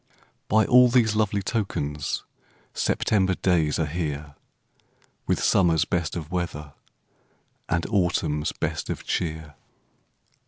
By all these lovely tokens September days are here, With summer's best of weather, And autumn's best of cheer.